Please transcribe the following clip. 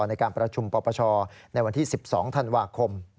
ในการประชุมปปชในวันที่๑๒ธันวาคม